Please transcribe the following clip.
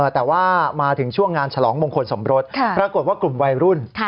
แต่ว่ามาถึงช่วงงานฉลองมงคลสมรสปรากฏว่ากลุ่มวัยรุ่น